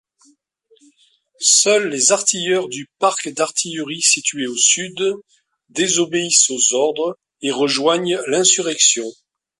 Seuls les artilleurs du parc d'Artillerie situé au désobéissent aux ordres et rejoignent l'insurrection.